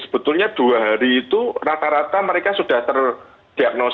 sebetulnya dua hari itu rata rata mereka sudah terdiagnosa